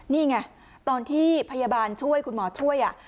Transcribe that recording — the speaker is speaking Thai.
นี่ไงตอนที่พยาบาลช่วยคุณหมอช่วย